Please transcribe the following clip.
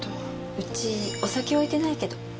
うちお酒置いてないけど。